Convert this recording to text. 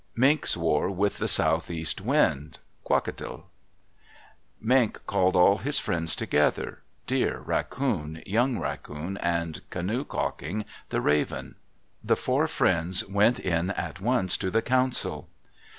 MINK'S WAR WITH THE SOUTHEAST WIND Kwakiutl Mink called all his friends together—Deer, Raccoon, Young Raccoon, and Canoe Calking, the Raven. The four friends went in at once to the council.